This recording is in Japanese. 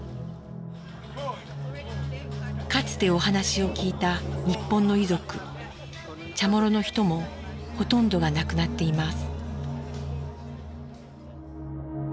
かつてお話を聞いた日本の遺族チャモロの人もほとんどが亡くなっています。